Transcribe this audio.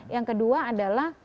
yang kedua adalah prosedur